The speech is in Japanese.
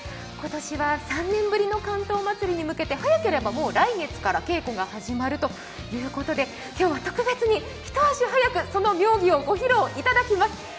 今年は３年ぶりの竿燈まつりに向けてもう来月から稽古が始まると言うことで、今日は特別に一足早くその妙技をご披露いただきます。